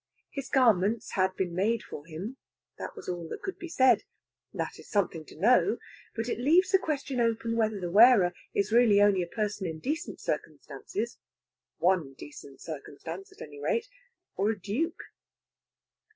His garments had been made for him; that was all that could be said. That is something to know. But it leaves the question open whether their wearer is really only a person in decent circumstances one decent circumstance, at any rate or a Duke.